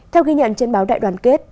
theo ghi nhận trên báo đại đoàn kết